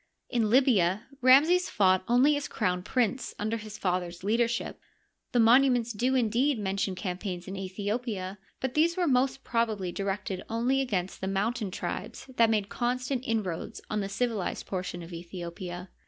In Libya, Ramses fought only as crown prince under his father's leadership. The monuments do, indeed, mention campaigns in Aethiopia, but these were most probably directed only against the mountain tribes that made con stant inroads on the civilized portion of Aethiopia.